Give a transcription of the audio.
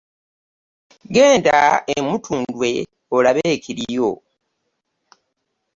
Genda e Mutundwe olabe ekiriyo.